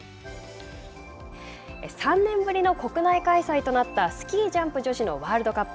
３年ぶりの国内開催となったスキージャンプ女子のワールドカップ。